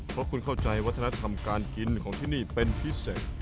เพราะคุณเข้าใจวัฒนธรรมการกินของที่นี่เป็นพิเศษ